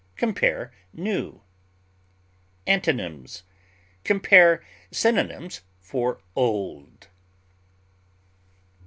Compare NEW. Antonyms: Compare synonyms for OLD.